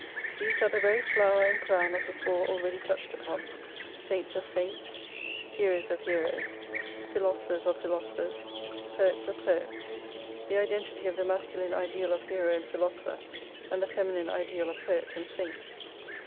These are the very flower and crown of the; four already touched upon, Saints of Saints, Heroes of Heroes, Philosophers of Philosophers, Poets of Poets ; the identity of the masculine ideal of Hero and Philoso pher and the feminine ideal of Poet and Saint.